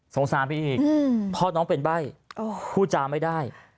สารไปอีกพ่อน้องเป็นใบ้พูดจาไม่ได้